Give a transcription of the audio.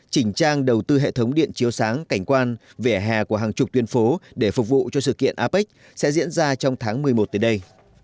chỉnh trang đầu tư hệ thống điện chiếu sáng cảnh quan vỉa hè của hàng chục tuyên phố để phục vụ cho sự kiện apec sẽ diễn ra trong tháng một mươi một tới đây